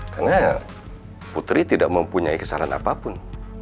karena putri tidak mempunyai kesalahan apapun